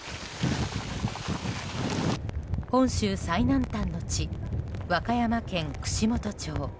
本州最南端の地和歌山県串本町。